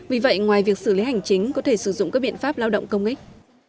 vì vậy ngoài việc xử lý hành chính có thể sử dụng các biện pháp lao động công ích